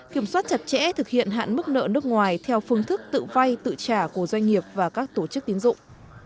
kiểm soát chặt chẽ thực hiện hạn mức nợ nước ngoài theo phương thức tự vay tự trả của doanh nghiệp và các tổ chức tiến dụng